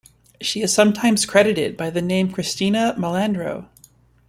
She is sometimes credited by the name Kristina Malandro.